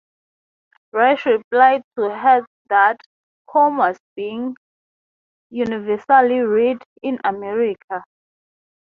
Rush replied to her that "Home" was being "universally read" in America.